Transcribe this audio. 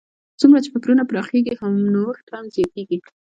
څومره چې فکرونه پراخېږي، نوښت هم زیاتیږي.